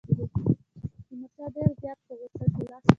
تیمورشاه ډېر زیات په غوسه شو.